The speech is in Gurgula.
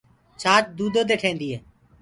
ڇآچ دودو دي ٺينديٚ هي۔